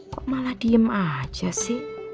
kok malah diem aja sih